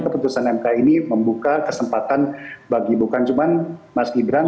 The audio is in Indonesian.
keputusan mk ini membuka kesempatan bagi bukan cuma mas gibran